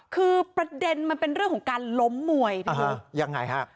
คือประเด็นมันเป็นเรื่องของการล้มมวยพี่ยังไงฮะ